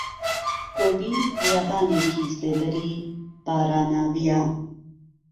گۆبی بیابانێکی سێبەری باراناویە